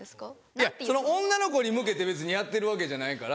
いや女の子に向けて別にやってるわけじゃないから。